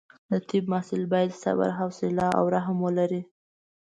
د طب محصل باید صبر، حوصله او رحم ولري.